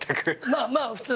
まあまあ普通。